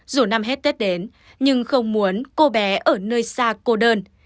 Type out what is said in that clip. dù năm hết tết đến nhưng không muốn cô bé ở nơi xa cô đơn